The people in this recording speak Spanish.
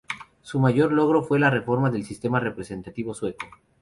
Su mayor logro fue la reforma del sistema representativo sueco.